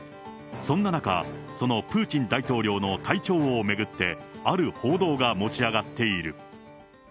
そんな中、そのプーチン大統領の体調を巡って、ある報道が持ち上がっている。